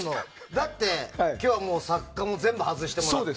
だって今日は作家も全部外してもらって。